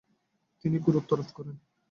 তিনি গুরুত্ব আরোপ করেন।